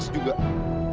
sampai jumpa lagi